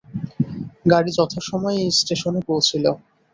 গাড়ি যথাসময়ে স্টেশনে পৌঁছিল।